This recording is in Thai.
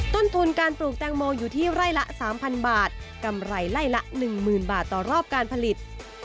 ต้นทุนการปลูกแตงโมอยู่ที่ไร่ละ๓๐๐บาทกำไรไล่ละ๑๐๐๐บาทต่อรอบการผลิต